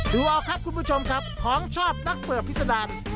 ดูเอาครับคุณผู้ชมครับของชอบนักเปิดพิษดาร